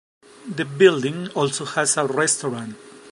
The building also has a restaurant.